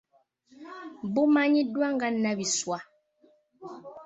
Bumanyiddwa nga nnabiswa.